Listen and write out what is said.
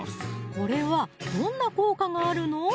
これはどんな効果があるの？